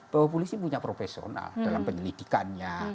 bahwa polisi punya profesional dalam penyelidikannya